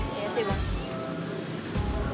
iya sih bang